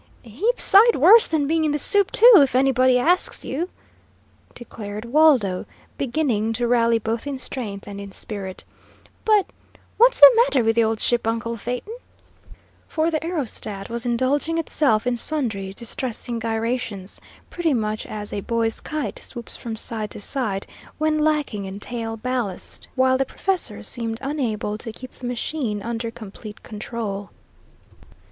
"Heap sight worse than being in the soup, too, if anybody asks you," declared Waldo, beginning to rally both in strength and in spirit. "But what's the matter with the old ship, uncle Phaeton?" For the aerostat was indulging itself in sundry distressing gyrations, pretty much as a boy's kite swoops from side to side, when lacking in tail ballast, while the professor seemed unable to keep the machine under complete control.